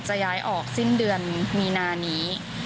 จะย้ายออกสิ้นเดือนมีนานี้